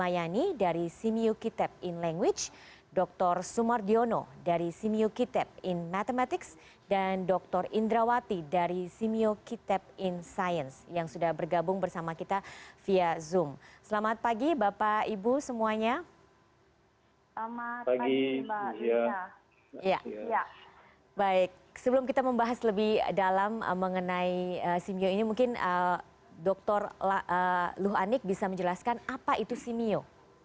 ya baik sebelum kita membahas lebih dalam mengenai simeo ini mungkin dr luh anik bisa menjelaskan apa itu simeo